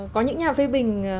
có những nhà phê bình